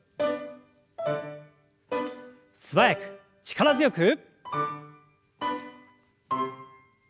素早く力強く。